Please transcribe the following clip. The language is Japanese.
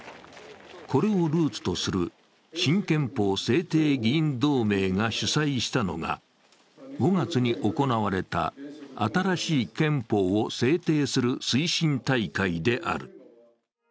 これをルーツとする新憲法制定議員同盟が主催したのが５月に行われた新しい憲法を制定する推進大会である。